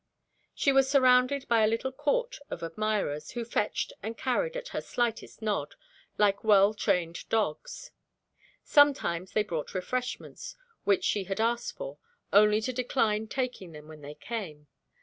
She was surrounded by a little court of admirers, who fetched and carried at her slightest nod, like well trained dogs. Sometimes they brought refreshments, which she had asked for, only to decline taking them when they came.